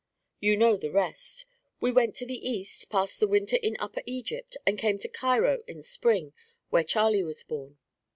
You know the rest. We went to the East, passed the winter in Upper Egypt, and came to Cairo in spring, where Charley was born.